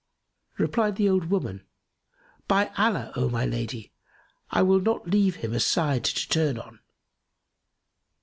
Replied the old woman, "By Allah, O my lady, I will not leave him a side to turn on!"